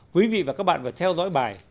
quý vị và các bạn phải theo dõi bài